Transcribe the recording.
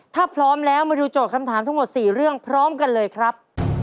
ถ้าพร้อมแล้วมาดูโจทย์คำถามทั้งหมด๔เรื่องพร้อมกันเลยครับ